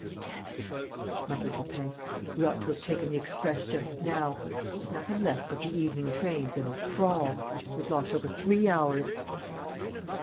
"Damn it!" muttered Lupin. "We ought to have taken the express just now! There's nothing left but the evening trains, and they crawl! We've lost over three hours."